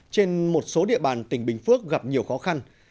trên một số địa bàn tỉnh bình phước gặp nhiều khó khăn